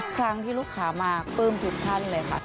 ครั้งที่ลูกค้ามาปลื้มทุกท่านเลยค่ะ